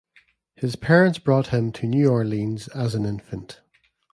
His parents brought him to New Orleans as an infant.